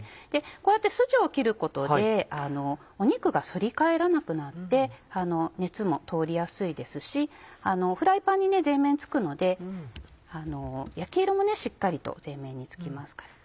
こうやってスジを切ることで肉が反り返らなくなって熱も通りやすいですしフライパンに全面付くので焼き色もしっかりと全面につきますから。